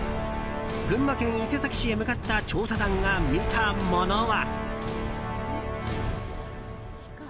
群馬県伊勢崎市へ向かった調査団が見たものは。